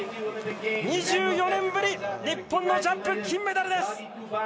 ２４年ぶり、日本のジャンプ金メダルです！